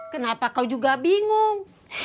kenapa kau juga bingung